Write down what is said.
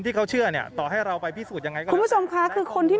ที่เขาเชื่อเนี่ยต่อให้เราไปพิสูจน์ยังไงก็คือคนที่